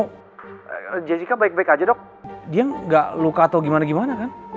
jessica baik baik aja dok dia gak luka atau gimana gimana kan